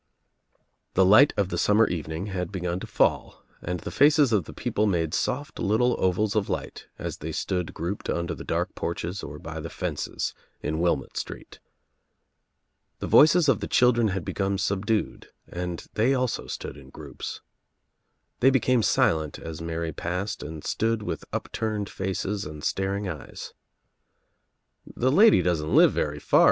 The light of the summer evening had begun to fall and the faces of the people made soft little ovals of light as they stood grouped under the dark porches or by the fences in Wllmott Street. The voices of the children had become subdued and they also stood in groups. They became silent as Mary passed and stood with upturned faces and staring eyes. "The lady doesn't live very far.